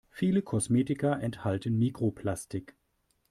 Viele Kosmetika enthalten Mikroplastik.